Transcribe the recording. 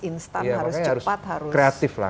iya makanya harus kreatif lah